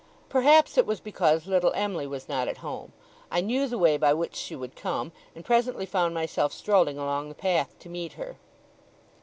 Perhaps it was because little Em'ly was not at home. I knew the way by which she would come, and presently found myself strolling along the path to meet her.